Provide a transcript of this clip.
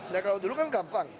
nah kalau dulu kan gampang